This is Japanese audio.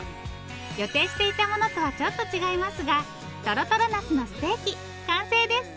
予定していたものとはちょっと違いますがとろとろナスのステーキ完成です。